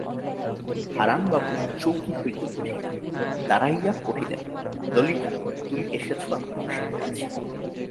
হারানবাবু চৌকি হইতে উঠিয়া দাঁড়াইয়া কহিলেন, ললিতা, তুমি এসেছ আমি খুশি হয়েছি।